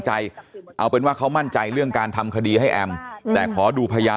ใจเอาเป็นว่าเขามั่นใจเรื่องการทำคดีให้แอมแต่ขอดูพยาน